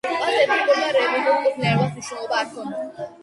მათ ეთნიკურ და რელიგიურ კუთვნილებას მნიშვნელობა არ ჰქონდა.